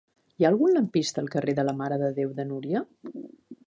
Hi ha algun lampista al carrer de la Mare de Déu de Núria?